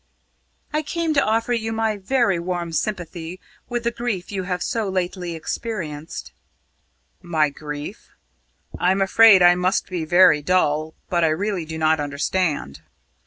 "I came to offer you my very warm sympathy with the grief you have so lately experienced." "My grief? I'm afraid I must be very dull; but I really do not understand."